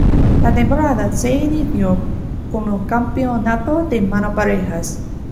La temporada se inició con el Campeonato de Mano Parejas.